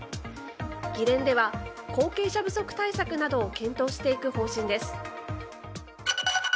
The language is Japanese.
議連では後継者不足対策などを検討していく方針です。